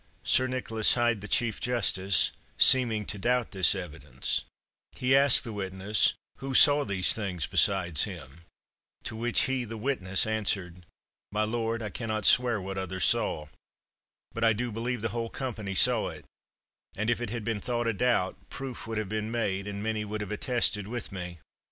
"Sir Nicholas Hyde, the chief justice, seeming to doubt this evidence, he asked the witness who saw these things besides him, to which he, the witness, answered, 'My lord, I can not swear what others saw, but I do believe the whole company saw it; and if it had been thought a doubt, proof would have been made, and many would have attested with me.